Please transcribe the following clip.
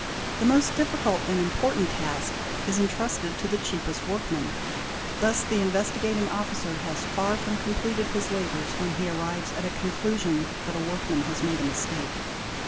'The most difficult and important task is entrusted to the cheapest workman. Thus the Investigating Officer has far from completed his labours when he arrives at a conclusion that a workman has made a mistake.